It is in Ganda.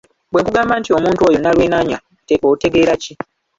Bwe nkugamba nti omuntu oyo nnalwenaanya otegeera ki?